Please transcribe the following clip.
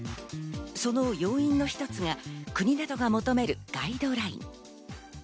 その要因の一つが国などが求めるガイドライン。